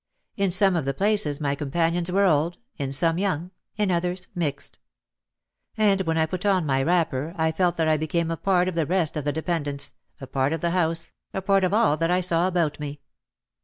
In some of the places my companions were old, in some young, in others mixed. And when I put on my wrapper I felt that I became a part of the rest of the dependents, a part of the house, a part of all that I saw about me.